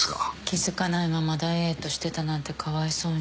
気付かないままダイエットしてたなんてかわいそうに。